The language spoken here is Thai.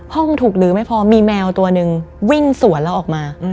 ถูกลื้อไม่พอมีแมวตัวหนึ่งวิ่งสวนแล้วออกมา